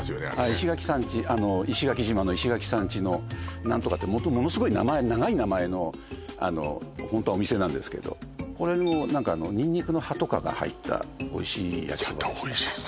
石垣さん家石垣島の石垣さん家のナントカってものすごい長い名前のホントはお店なんですけどこれもニンニクの葉とかが入ったおいしい焼きそばでしたやだ